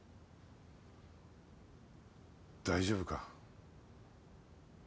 大丈夫か？